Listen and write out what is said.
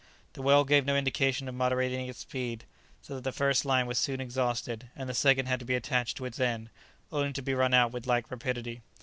The whale gave no indication of moderating its speed, so that the first line was soon exhausted, and the second had to be attached to its end, only to be run out with like rapidity.